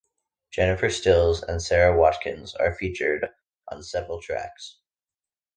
Jennifer Stills and Sara Watkins are featured on several tracks.